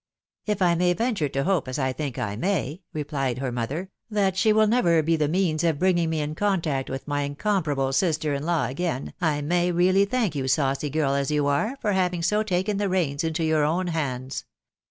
If J may venture to hope, as 1 think I may," replied her mother, " that ahe will never be the means of hringii^r me in contact with my incomparable siater ia law again, I may really thank you, saucy girl as you are, for having ao taken the reins into your own hands.